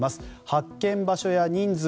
発見場所や人数